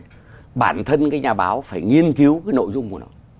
thì bản thân cái nhà báo phải nghiên cứu cái nội dung của nó